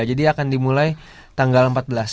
akan dimulai tanggal empat belas